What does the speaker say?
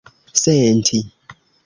senti